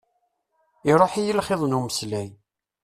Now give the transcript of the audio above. Iṛuḥ-iyi lxiḍ n umeslay.